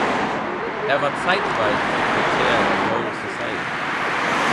Er war zeitweise Sekretär der Royal Society.